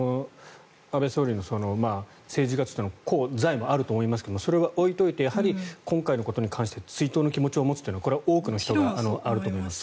安倍元総理の政治活動の功罪もあると思いますがそれは置いておいて今回のことに関して追悼の気持ちを持つというのは多くの人があると思います。